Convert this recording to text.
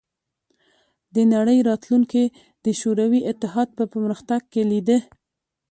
د نړۍ راتلونکې د شوروي اتحاد په پرمختګ کې لیده